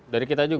dari kita juga